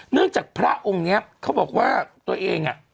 จากพระองค์นี้เขาบอกว่าตัวเองอ่ะ